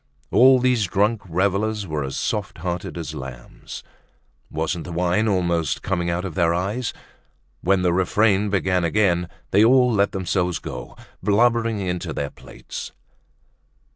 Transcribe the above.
All these drunk revelers were as soft hearted as lambs. Wasn't the wine almost coming out of their eyes? When the refrain began again, they all let themselves go, blubbering into their plates.